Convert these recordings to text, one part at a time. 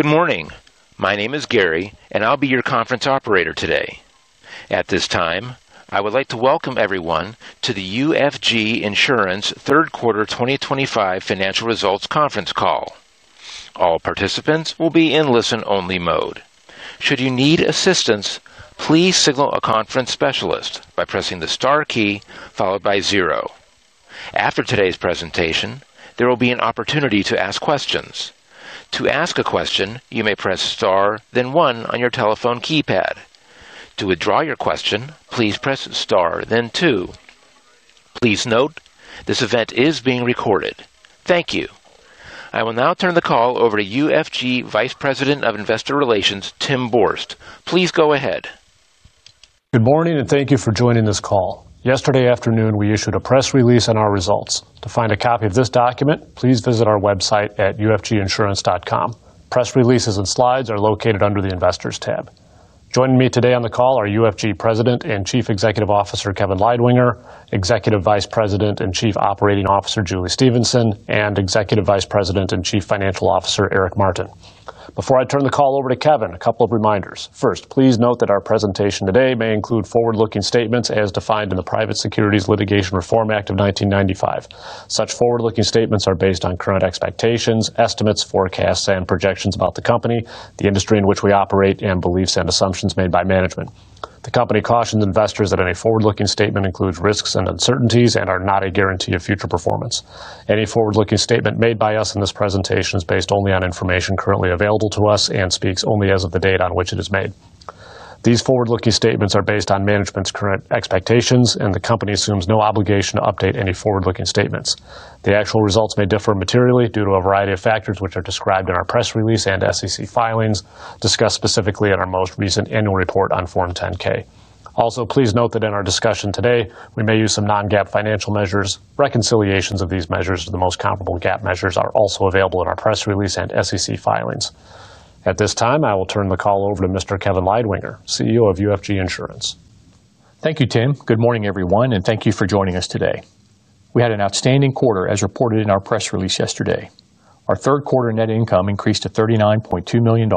Good morning. My name is Gary, and I'll be your conference operator today. At this time, I would like to welcome everyone to the UFG Insurance Third Quarter 2025 Financial Results Conference Call. All participants will be in listen-only mode. Should you need assistance, please signal a conference specialist by pressing the * key followed by 0. After today's presentation, there will be an opportunity to ask questions. To ask a question, you may press *, then 1 on your telephone keypad. To withdraw your question, please press *, then 2. Please note, this event is being recorded. Thank you. I will now turn the call over to UFG Vice President of Investor Relations, Tim Borst. Please go ahead. Good morning, and thank you for joining this call. Yesterday afternoon, we issued a press release on our results. To find a copy of this document, please visit our website at ufginsurance.com. Press releases and slides are located under the Investors tab. Joining me today on the call are UFG President and Chief Executive Officer Kevin Leidwinger, Executive Vice President and Chief Operating Officer Julie Stephenson, and Executive Vice President and Chief Financial Officer Eric Martin. Before I turn the call over to Kevin, a couple of reminders. First, please note that our presentation today may include forward-looking statements as defined in the Private Securities Litigation Reform Act of 1995. Such forward-looking statements are based on current expectations, estimates, forecasts, and projections about the company, the industry in which we operate, and beliefs and assumptions made by management. The company cautions investors that any forward-looking statement includes risks and uncertainties and is not a guarantee of future performance. Any forward-looking statement made by us in this presentation is based only on information currently available to us and speaks only as of the date on which it is made. These forward-looking statements are based on management's current expectations, and the company assumes no obligation to update any forward-looking statements. The actual results may differ materially due to a variety of factors which are described in our press release and SEC filings, discussed specifically in our most recent annual report on Form 10-K. Also, please note that in our discussion today, we may use some non-GAAP financial measures. Reconciliations of these measures to the most comparable GAAP measures are also available in our press release and SEC filings. At this time, I will turn the call over to Mr. Kevin Leidwinger, CEO of UFG Insurance. Thank you, Tim. Good morning, everyone, and thank you for joining us today. We had an outstanding quarter, as reported in our press release yesterday. Our third-quarter net income increased to $39.2 million,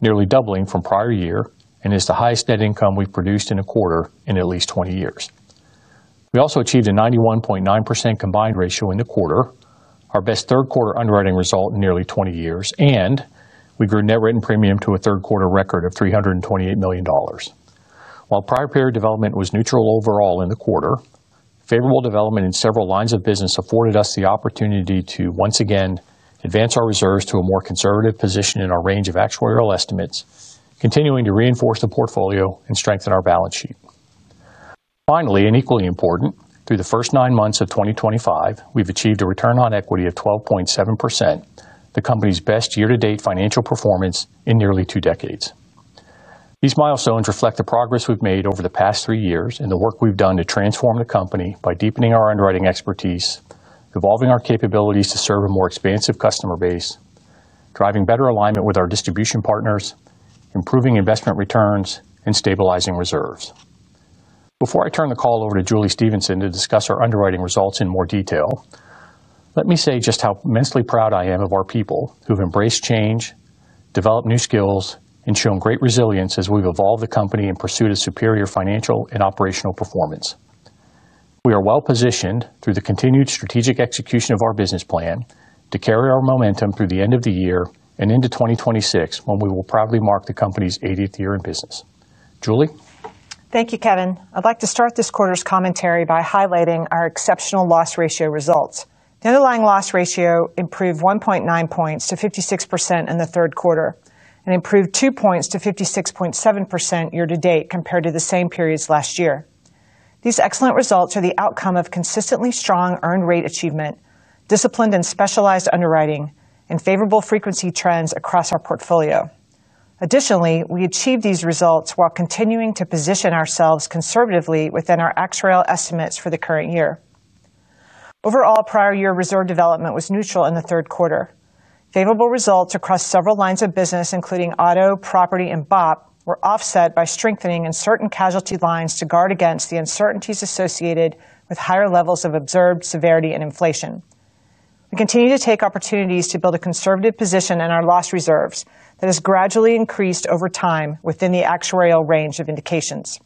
nearly doubling from prior year, and is the highest net income we've produced in a quarter in at least 20 years. We also achieved a 91.9% combined ratio in the quarter, our best third-quarter underwriting result in nearly 20 years, and we grew net written premium to a third-quarter record of $328 million. While prior-period development was neutral overall in the quarter, favorable development in several lines of business afforded us the opportunity to once again advance our reserves to a more conservative position in our range of actuarial estimates, continuing to reinforce the portfolio and strengthen our balance sheet. Finally, and equally important, through the first nine months of 2025, we've achieved a return on equity of 12.7%, the company's best year-to-date financial performance in nearly two decades. These milestones reflect the progress we've made over the past three years and the work we've done to transform the company by deepening our underwriting expertise, evolving our capabilities to serve a more expansive customer base, driving better alignment with our distribution partners, improving investment returns, and stabilizing reserves. Before I turn the call over to Julie Stephenson to discuss our underwriting results in more detail, let me say just how immensely proud I am of our people who've embraced change, developed new skills, and shown great resilience as we've evolved the company in pursuit of superior financial and operational performance. We are well-positioned through the continued strategic execution of our business plan to carry our momentum through the end of the year and into 2026, when we will proudly mark the company's 80th year in business. Julie? Thank you, Kevin. I'd like to start this quarter's commentary by highlighting our exceptional loss ratio results. The underlying loss ratio improved 1.9 percentage points to 56% in the third quarter and improved 2 percentage points to 56.7% year-to-date compared to the same periods last year. These excellent results are the outcome of consistently strong earned rate achievement, disciplined and specialized underwriting, and favorable frequency trends across our portfolio. Additionally, we achieved these results while continuing to position ourselves conservatively within our actuarial estimates for the current year. Overall, prior-year reserve development was neutral in the third quarter. Favorable results across several lines of business, including auto, property, and BOP, were offset by strengthening in certain casualty lines to guard against the uncertainties associated with higher levels of observed severity and inflation. We continue to take opportunities to build a conservative position in our loss reserves that has gradually increased over time within the actuarial range of indications.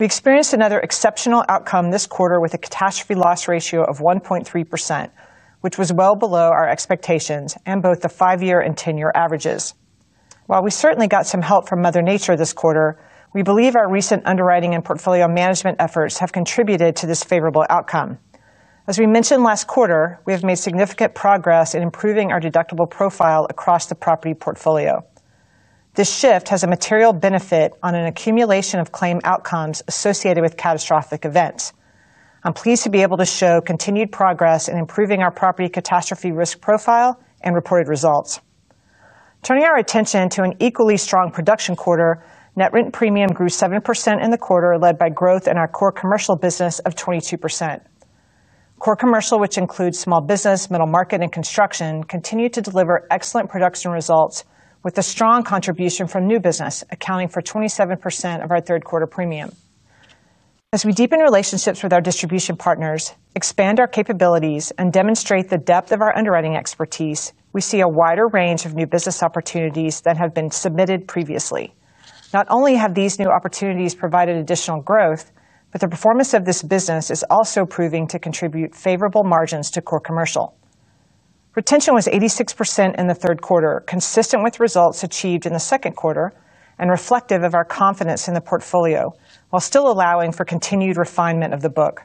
We experienced another exceptional outcome this quarter with a catastrophe loss ratio of 1.3%, which was well below our expectations and both the five-year and ten-year averages. While we certainly got some help from Mother Nature this quarter, we believe our recent underwriting and portfolio management efforts have contributed to this favorable outcome. As we mentioned last quarter, we have made significant progress in improving our deductible profile across the property portfolio. This shift has a material benefit on an accumulation of claim outcomes associated with catastrophic events. I'm pleased to be able to show continued progress in improving our property catastrophe risk profile and reported results. Turning our attention to an equally strong production quarter, net written premium grew 7% in the quarter, led by growth in our core commercial business of 22%. Core commercial, which includes small business, middle market, and construction, continued to deliver excellent production results with a strong contribution from new business, accounting for 27% of our third-quarter premium. As we deepen relationships with our distribution partners, expand our capabilities, and demonstrate the depth of our underwriting expertise, we see a wider range of new business opportunities than have been submitted previously. Not only have these new opportunities provided additional growth, but the performance of this business is also proving to contribute favorable margins to core commercial. Retention was 86% in the third quarter, consistent with results achieved in the second quarter and reflective of our confidence in the portfolio, while still allowing for continued refinement of the book.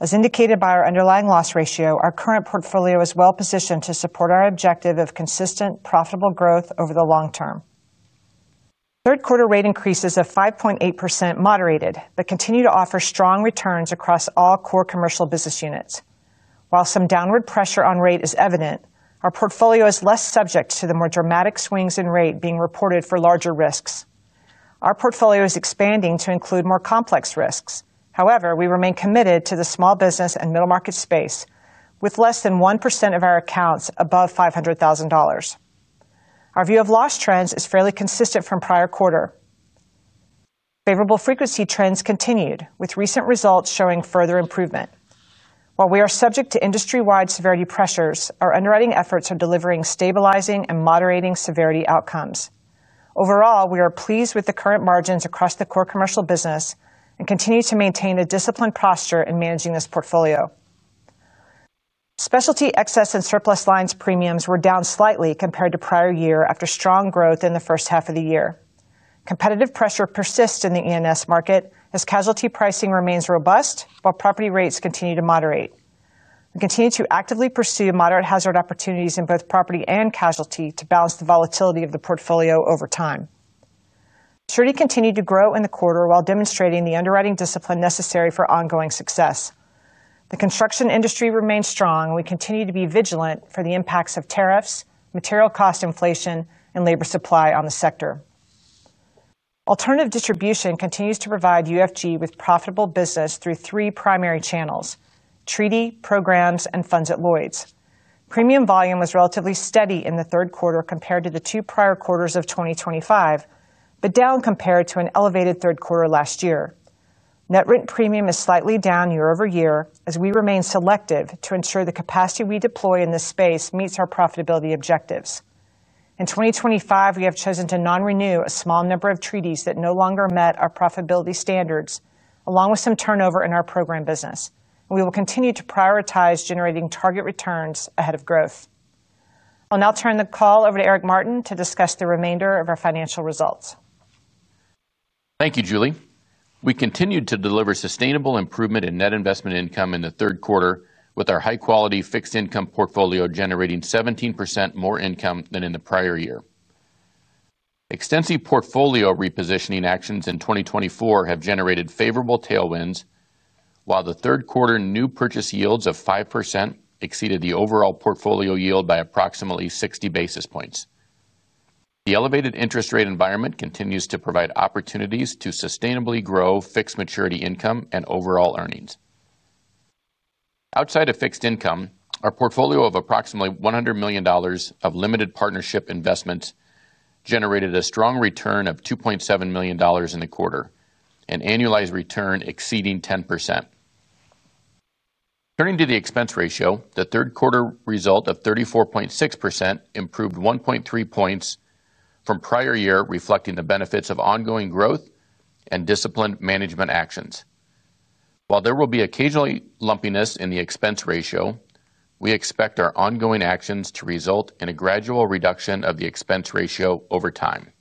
As indicated by our underlying loss ratio, our current portfolio is well-positioned to support our objective of consistent, profitable growth over the long term. Third-quarter rate increases of 5.8% moderated but continue to offer strong returns across all core commercial business units. While some downward pressure on rate is evident, our portfolio is less subject to the more dramatic swings in rate being reported for larger risks. Our portfolio is expanding to include more complex risks. However, we remain committed to the small business and middle market space with less than 1% of our accounts above $500,000. Our view of loss trends is fairly consistent from prior quarter. Favorable frequency trends continued, with recent results showing further improvement. While we are subject to industry-wide severity pressures, our underwriting efforts are delivering stabilizing and moderating severity outcomes. Overall, we are pleased with the current margins across the core commercial business and continue to maintain a disciplined posture in managing this portfolio. Specialty excess and surplus lines premiums were down slightly compared to prior year after strong growth in the first half of the year. Competitive pressure persists in the E&S market as casualty pricing remains robust while property rates continue to moderate. We continue to actively pursue moderate hazard opportunities in both property and casualty to balance the volatility of the portfolio over time. Surety continued to grow in the quarter while demonstrating the underwriting discipline necessary for ongoing success. The construction industry remains strong, and we continue to be vigilant for the impacts of tariffs, material cost inflation, and labor supply on the sector. Alternative distribution continues to provide UFG with profitable business through three primary channels: treaty, programs, and funds at Lloyd's. Premium volume was relatively steady in the third quarter compared to the two prior quarters of 2025, but down compared to an elevated third quarter last year. Net written premium is slightly down year-over-year as we remain selective to ensure the capacity we deploy in this space meets our profitability objectives. In 2025, we have chosen to non-renew a small number of treaties that no longer met our profitability standards, along with some turnover in our program business. We will continue to prioritize generating target returns ahead of growth. I'll now turn the call over to Eric Martin to discuss the remainder of our financial results. Thank you, Julie. We continued to deliver sustainable improvement in net investment income in the third quarter, with our high-quality fixed income portfolio generating 17% more income than in the prior year. Extensive portfolio repositioning actions in 2024 have generated favorable tailwinds, while the third-quarter new purchase yields of 5% exceeded the overall portfolio yield by approximately 60 basis points. The elevated interest rate environment continues to provide opportunities to sustainably grow fixed maturity income and overall earnings. Outside of fixed income, our portfolio of approximately $100 million of limited partnership investment generated a strong return of $2.7 million in the quarter, an annualized return exceeding 10%. Turning to the expense ratio, the third-quarter result of 34.6% improved 1.3 points from prior year, reflecting the benefits of ongoing growth and disciplined management actions. While there will be occasionally lumpiness in the expense ratio, we expect our ongoing actions to result in a gradual reduction of the expense ratio over time.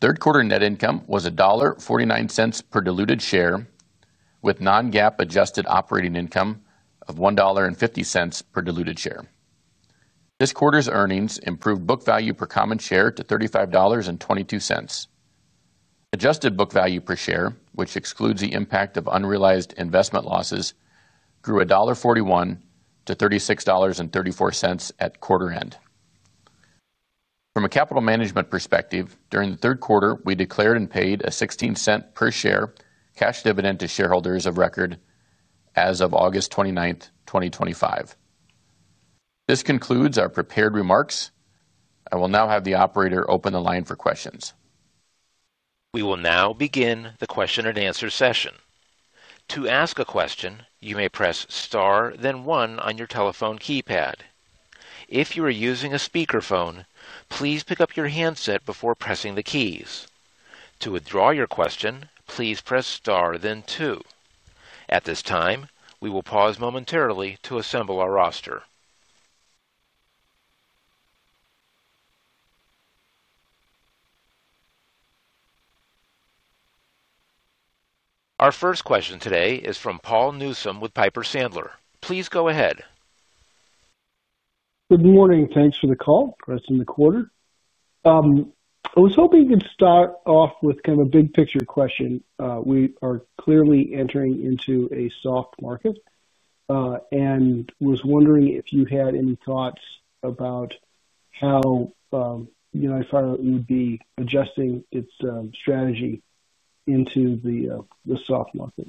Third-quarter net income was $1.49 per diluted share, with non-GAAP adjusted operating income of $1.50 per diluted share. This quarter's earnings improved book value per common share to $35.22. Adjusted book value per share, which excludes the impact of unrealized investment losses, grew $1.41 to $36.34 at quarter end. From a capital management perspective, during the third quarter, we declared and paid a $0.16 per share cash dividend to shareholders of record as of August 29, 2025. This concludes our prepared remarks. I will now have the operator open the line for questions. We will now begin the question and answer session. To ask a question, you may press star, then one on your telephone keypad. If you are using a speakerphone, please pick up your handset before pressing the keys. To withdraw your question, please press star, then two. At this time, we will pause momentarily to assemble our roster. Our first question today is from Paul Newsome with Piper Sandler. Please go ahead. Good morning. Thanks for the call. Press in the quarter. I was hoping you could start off with kind of a big picture question. We are clearly entering into a soft market. Was wondering if you had any thoughts about how United Fire would be adjusting its strategy into the soft market.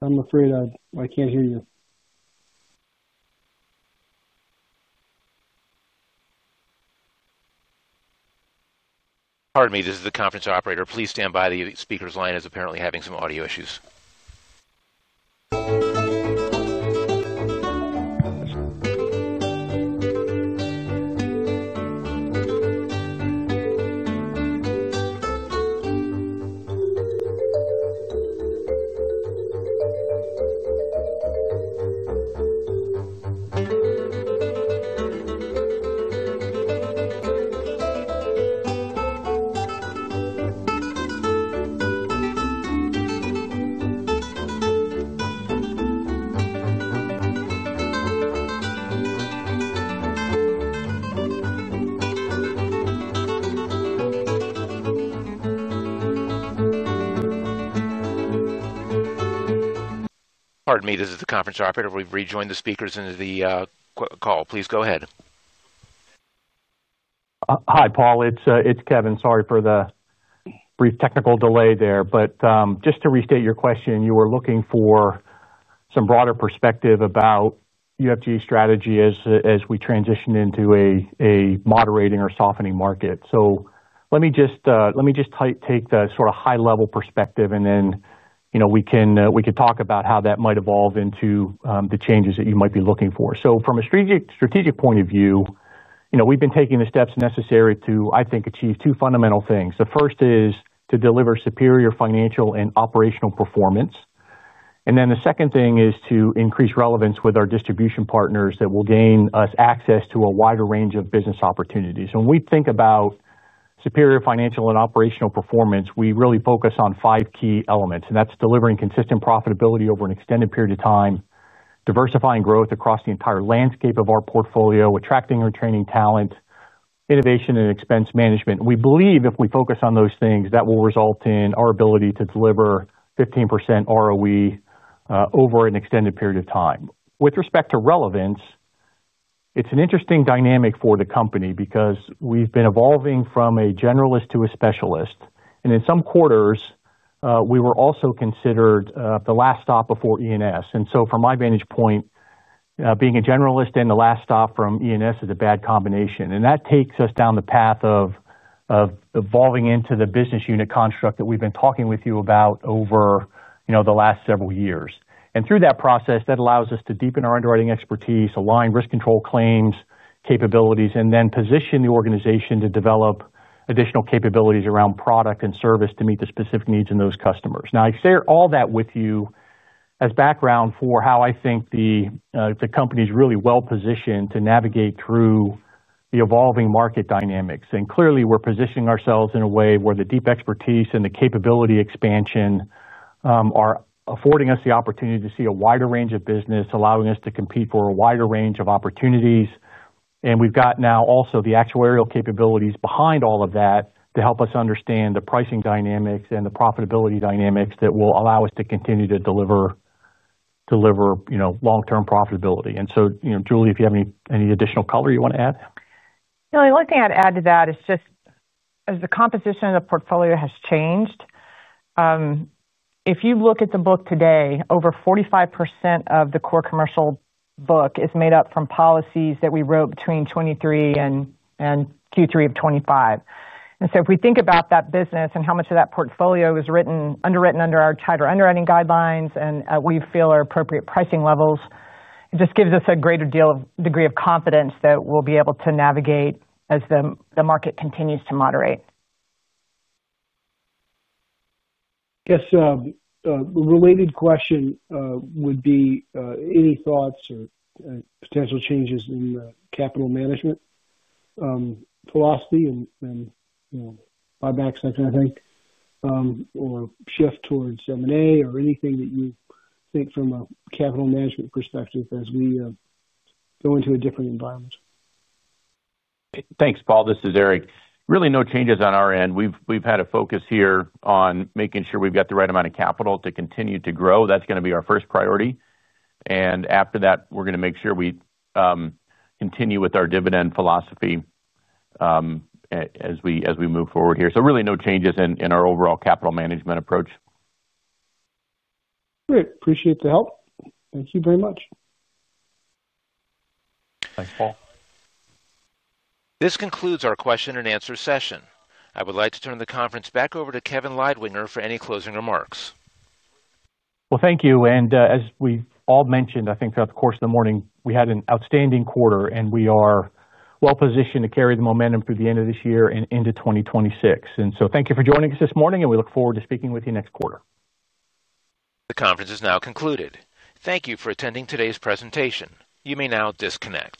I'm afraid I can't hear you. Pardon me. This is the conference operator. Please stand by. The speaker's line is apparently having some audio issues. Pardon me. This is the conference operator. We've rejoined the speakers into the call. Please go ahead. Hi, Paul. It's Kevin. Sorry for the brief technical delay there. Just to restate your question, you were looking for some broader perspective about UFG strategy as we transition into a moderating or softening market. Let me just take the sort of high-level perspective, and then we can talk about how that might evolve into the changes that you might be looking for. From a strategic point of view, we've been taking the steps necessary to, I think, achieve two fundamental things. The first is to deliver superior financial and operational performance. The second thing is to increase relevance with our distribution partners that will gain us access to a wider range of business opportunities. When we think about superior financial and operational performance, we really focus on five key elements. That is delivering consistent profitability over an extended period of time, diversifying growth across the entire landscape of our portfolio, attracting and retaining talent, innovation, and expense management. We believe if we focus on those things, that will result in our ability to deliver 15% ROE over an extended period of time. With respect to relevance, it is an interesting dynamic for the company because we have been evolving from a generalist to a specialist. In some quarters, we were also considered the last stop before E&S. From my vantage point, being a generalist and the last stop from E&S is a bad combination. That takes us down the path of evolving into the business unit construct that we have been talking with you about over the last several years. Through that process, that allows us to deepen our underwriting expertise, align risk control claims capabilities, and then position the organization to develop additional capabilities around product and service to meet the specific needs in those customers. I share all that with you as background for how I think the company is really well-positioned to navigate through the evolving market dynamics. Clearly, we're positioning ourselves in a way where the deep expertise and the capability expansion are affording us the opportunity to see a wider range of business, allowing us to compete for a wider range of opportunities. We've got now also the actuarial capabilities behind all of that to help us understand the pricing dynamics and the profitability dynamics that will allow us to continue to deliver long-term profitability. Julie, if you have any additional color you want to add. The only thing I'd add to that is just, as the composition of the portfolio has changed. If you look at the book today, over 45% of the core commercial book is made up from policies that we wrote between 2023 and Q3 of 2025. If we think about that business and how much of that portfolio was underwritten under our tighter underwriting guidelines and we feel are appropriate pricing levels, it just gives us a greater degree of confidence that we'll be able to navigate as the market continues to moderate. Yes. A related question would be any thoughts or potential changes in capital management philosophy and buyback section, I think, or shift towards M&A or anything that you think from a capital management perspective as we go into a different environment. Thanks, Paul. This is Eric. Really no changes on our end. We've had a focus here on making sure we've got the right amount of capital to continue to grow. That's going to be our first priority. After that, we're going to make sure we continue with our dividend philosophy as we move forward here. Really no changes in our overall capital management approach. Great. Appreciate the help. Thank you very much. Thanks, Paul. This concludes our question and answer session. I would like to turn the conference back over to Kevin Leidwinger for any closing remarks. Thank you. As we have all mentioned, I think throughout the course of the morning, we had an outstanding quarter, and we are well-positioned to carry the momentum through the end of this year and into 2026. Thank you for joining us this morning, and we look forward to speaking with you next quarter. The conference is now concluded. Thank you for attending today's presentation. You may now disconnect.